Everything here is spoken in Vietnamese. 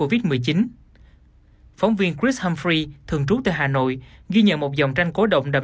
dịch bệnh phóng viên chris humphrey thường trú từ hà nội ghi nhận một dòng tranh cổ động đầm